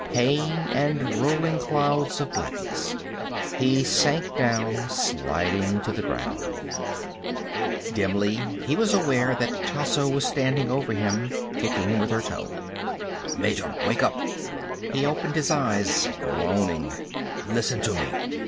Pain and rolling clouds of blackness. He sank down, sliding to the ground. Dimly, he was aware that Tasso was standing over him, kicking him with her toe. "Major! Wake up." He opened his eyes, groaning. "Listen to me."